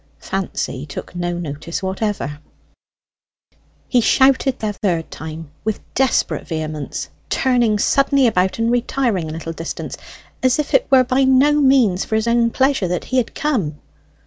Fancy took no notice whatever. He shouted the third time, with desperate vehemence, turning suddenly about and retiring a little distance, as if it were by no means for his own pleasure that he had come.